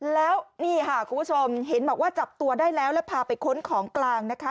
แล้วนี่ค่ะคุณผู้ชมเห็นบอกว่าจับตัวได้แล้วแล้วพาไปค้นของกลางนะคะ